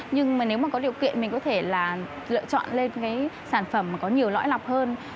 nhưng mà nếu mà có điều kiện mình có thể là lựa chọn lên cái sản phẩm có nhiều lõi lọc hơn